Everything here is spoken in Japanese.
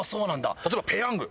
例えばペヤング。